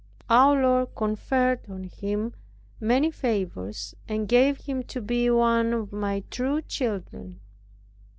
Our Lord conferred on him many favors, and gave him to be one of my true children.